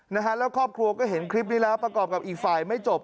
นะฮะแล้วครอบครัวก็เห็นคลิปนี้แล้วประกอบกับอีกฝ่ายไม่จบ